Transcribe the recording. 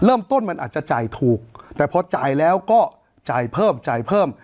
เริ่มต้นมันอาจจะจ่ายถูกแต่พอจ่ายแล้วก็จ่ายเพิ่มจ่ายเพิ่ม